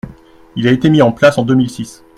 Il a été mis en place en deux mille six.